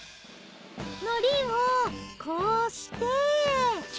海苔をこうして。